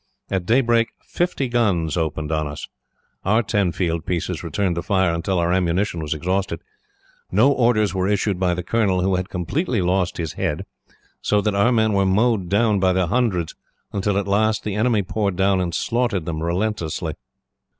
At daybreak, fifty guns opened on us. Our ten field pieces returned the fire, until our ammunition was exhausted. No orders were issued by the colonel, who had completely lost his head; so that our men were mowed down by hundreds, until at last the enemy poured down and slaughtered them relentlessly.